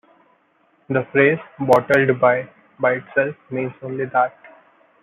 The phrase "bottled by", by itself, means only that.